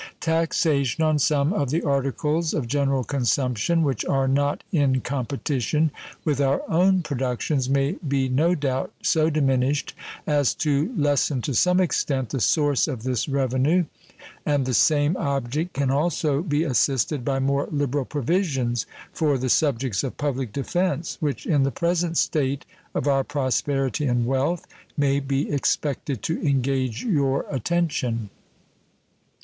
Taxation on some of the articles of general consumption which are not in competition with our own productions may be no doubt so diminished as to lessen to some extent the source of this revenue, and the same object can also be assisted by more liberal provisions for the subjects of public defense, which in the present state of our prosperity and wealth may be expected to engage your attention.